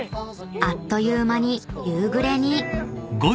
［あっという間に夕暮れに］